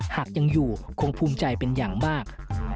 หากยังอยู่คงภูมิใจเป็นอย่างมาก